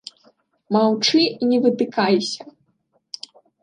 Маўчы і не вытыкайся.